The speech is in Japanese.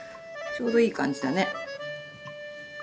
ちょうどいい感じだね。